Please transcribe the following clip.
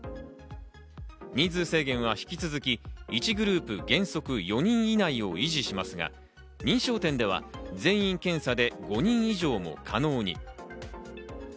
人数制限は引き続き１グループ原則４人以内を維持しますが認証店では全員検査で５人以上も可能に。